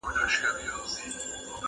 معاش مو یو برابره مو حِصه ده,